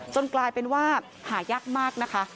กลายเป็นว่าหายากมากนะคะ